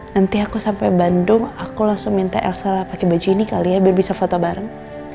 nanti aku sampai bandung aku langsung minta elsa lah pakai baju ini kali ya biar bisa foto bareng